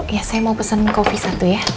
ya saya mau pesen kopi satu ya